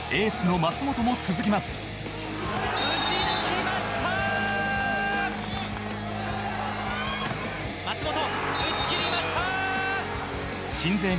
舛本、打ち切りました。